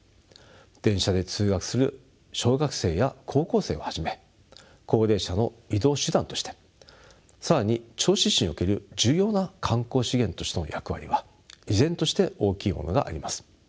電車で通学する小学生や高校生をはじめ高齢者の移動手段として更に銚子市における重要な観光資源としての役割は依然として大きいものがあります。